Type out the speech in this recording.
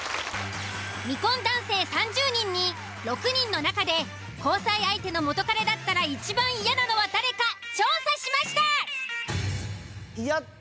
未婚男性３０人に６人の中で交際相手の元カレだったらいちばん嫌なのは誰か調査しました。